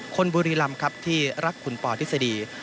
บุรีรำครับที่รักคุณปอทฤษฎี